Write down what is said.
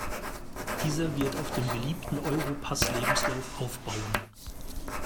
Dieser wird auf dem beliebten Europass-Lebenslauf aufbauen.